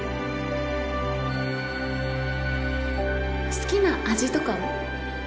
好きな味とかは？